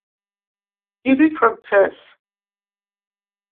Químic francès.